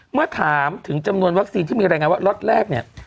เมื่อถามถึงจำนวนวัคซีนที่มีรายงานว่าล็อตแรกเนี่ย